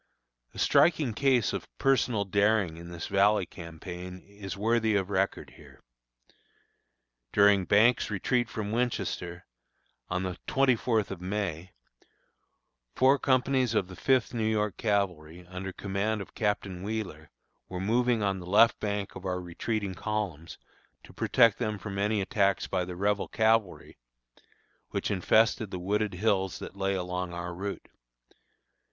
A striking case of personal daring in this Valley campaign, is worthy of record here. During Banks' retreat from Winchester, on the twenty fourth of May, four companies of the Fifth New York Cavalry, under command of Captain Wheeler, were moving on the left flank of our retreating columns, to protect them from any attacks by the Rebel cavalry, which infested the wooded hills that lay along our route.